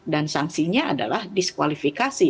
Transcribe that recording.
dan sangsinya adalah disqualifikasi